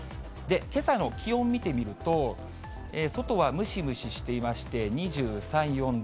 けさの気温見てみると、外はムシムシしていまして、２３、４度。